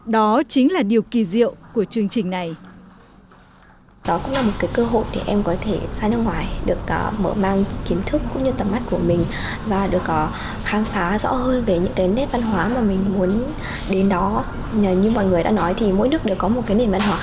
đó chính là điều kỳ diệu của chương trình này